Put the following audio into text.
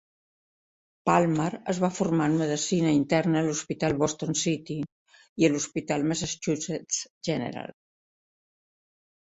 Palmer es va formar en medicina interna a l'hospital Boston City i a l'hospital Massachusetts General.